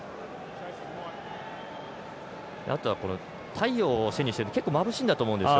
太陽を背にして結構、まぶしいんだと思います。